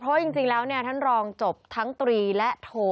เพราะว่าจริงแล้วเนี่ยท่านรองจบทั้งตรีและโท